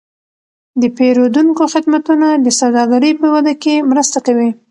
د پیرودونکو خدمتونه د سوداګرۍ په وده کې مرسته کوي.